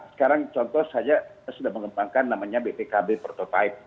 sekarang contoh saja sudah mengembangkan namanya btkb prototype